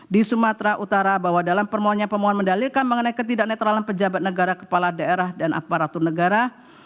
di sumatera utara bahwa dalam permohonan pemohon mendalilkan mengenai ketidak netralan pejabat negara kepala daerah dan aparatur negara